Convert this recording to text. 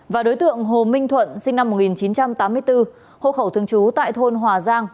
và đối tượng hồ minh thuận sinh năm một nghìn chín trăm tám mươi bốn hộ khẩu thường trú tại thôn hòa giang